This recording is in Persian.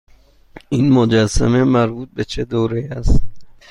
این مجسمه مربوط به چه دوره ای است؟